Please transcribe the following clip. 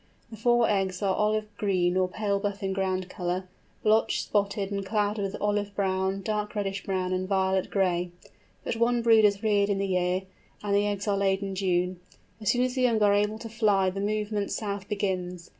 The four eggs are olive green or pale buff in ground colour, blotched, spotted, and clouded with olive brown, dark reddish brown, and violet gray. But one brood is reared in the year, and the eggs are laid in June. As soon as the young are able to fly the movement south begins.